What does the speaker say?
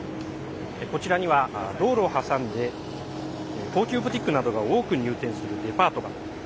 こちらには、道路を挟んで高級ブティックなどが多く入店するデパートが。